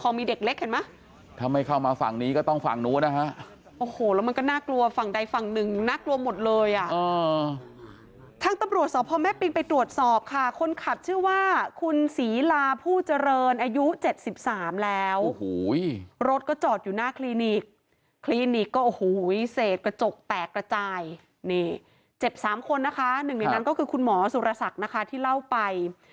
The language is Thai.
นี่เจ็บสามคนนะคะหนึ่งในนั้นก็คือคุณหมอสุรษักรณ์นะคะที่เล่าไป